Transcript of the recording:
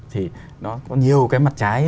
thì nó có nhiều cái mặt trái